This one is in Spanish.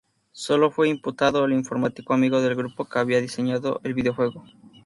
Sólo fue imputado el informático amigo del grupo que había diseñado el videojuego.